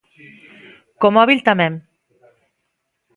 Co móbil tamén.